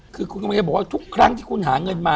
คือคุณกำลังจะบอกว่าทุกครั้งที่คุณหาเงินมา